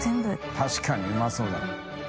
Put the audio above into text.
確かにうまそうだな。